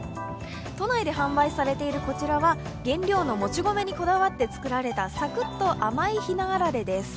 都内で販売されているこちらは原料の餅米にこだわって作られたサクッと甘いひなあられです。